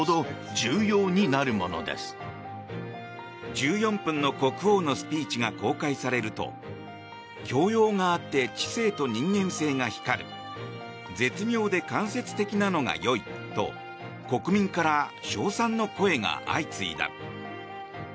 １４分の国王のスピーチが公開されると教養があって知性と人間性が光る絶妙で間接的なのが良いと国民から称賛の声が相次いだ。